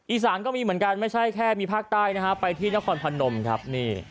อีสานก็มีเหมือนกันไม่ใช่แค่มีภาคใต้นะฮะไปที่นครพนมครับนี่